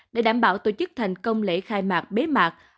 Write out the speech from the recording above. để đảm bảo tổ chức thành công lễ khai mạc bế mạc